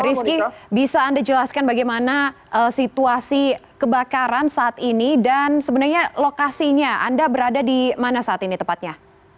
rizky bisa anda jelaskan bagaimana situasi kebakaran saat ini dan sebenarnya lokasinya anda berada di mana saat ini tepatnya